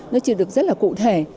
nó chưa được rất là cụ thể